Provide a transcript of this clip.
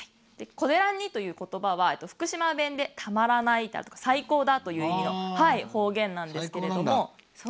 こでらんにという言葉は福島弁でたまらないとか最高だという意味の方言なんですけども。